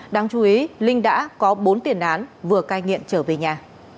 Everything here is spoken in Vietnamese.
đáng chú ý linh đã có bốn tiền án vừa cai nghiện trở về nhà